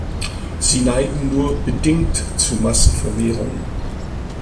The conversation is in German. Sie neigen nur bedingt zu Massenvermehrungen.